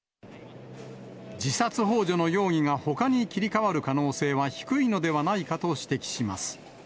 自殺ほう助の容疑がほかに切り替わる可能性は低いのではないかと指摘します。